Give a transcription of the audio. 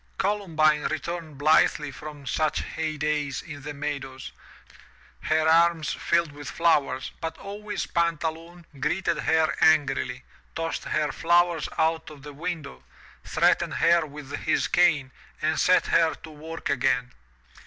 Columbine returned blithely from such hey days in the meadows, her arms filled with flowers, but always Pantaloon *FYom Milton's L' Allegro. 355 MY BOOK HOUSE greeted her angrily, tossed her flowers out of the window, threat ened her with his cane and set her to work again.